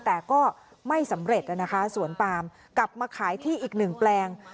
แต่ก็ไม่สำเร็จนะคะสวนปามกลับมาขายที่อีกหนึ่งแปลง